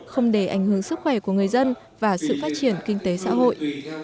không để ảnh hưởng sức khỏe của người dân và sự phát triển kinh tế xã hội